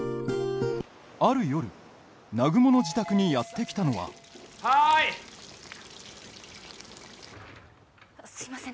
ある夜南雲の自宅にやってきたのははいすいません